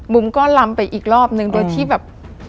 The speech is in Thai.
ก็ลำไปอีกรอบนึงโดยที่แบบ